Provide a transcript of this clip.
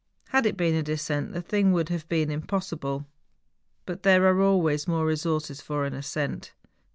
Had it been a descent the thing would have been impossible; but there are always more resources for an ascent.